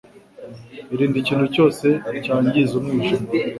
Irinde ikintu cyose cyangiza umwijima